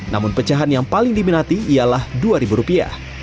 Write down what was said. namun pecahan yang paling diminati ialah dua ribu rupiah